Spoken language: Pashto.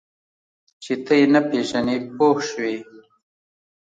چې ته یې نه پېژنې پوه شوې!.